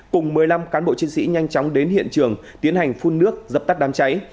cùng một mươi năm cán bộ chiến sĩ nhanh chóng đến hiện trường tiến hành phun nước dập tắt đám cháy